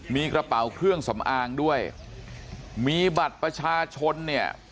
มีกระเป๋าเครื่องสำอางด้วยมีบัตรประชาชนเนี่ย